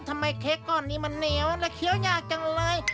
เค้กก้อนนี้มันเหนียวและเคี้ยวยากจังเลย